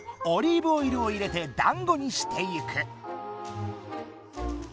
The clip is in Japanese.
オリーブオイルを入れてだんごにしてゆく。